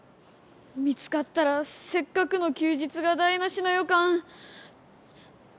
見つかったらせっかくの休日が台なしのよかん。